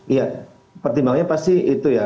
iya pertimbangannya pasti itu ya